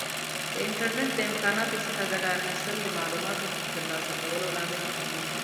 د انټرنیټ د امکاناتو څخه ګټه اخیستل د معلوماتو د ترلاسه کولو لامل کیږي.